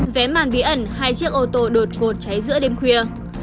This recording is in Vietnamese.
vé màn bí ẩn hai chiếc ô tô đột ngột cháy giữa đêm khuya